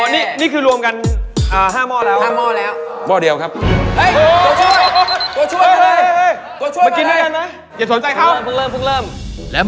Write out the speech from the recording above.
นี่นี่คือรวมกัน๕หม้อแล้ว